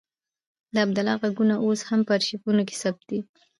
د عبدالله غږونه اوس هم په آرشیفونو کې ثبت دي.